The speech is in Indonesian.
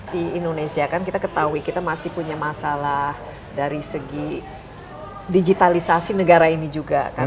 di indonesia kan kita ketahui kita masih punya masalah dari segi digitalisasi negara ini juga kan